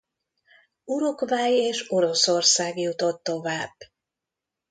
Uruguay és Oroszország jutott tovább.